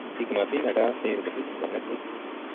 Ɗiggi ma ɓin na gá fẽẽre gɔ ɓil ɛŋtɛrned ɓuy.